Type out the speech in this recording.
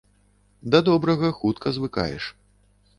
Да добрага хутка звыкаеш.